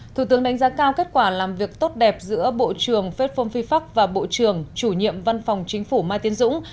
thủ tướng đánh giá cao kết quả làm việc tốt đẹp giữa bộ trưởng phết phông phi pháp và bộ trưởng chủ nhiệm văn phòng chính phủ mai tiến dũng